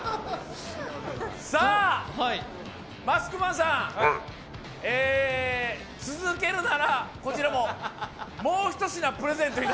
さあ、マスクマンさん、続けるならこちらも、もう１品プレゼントを。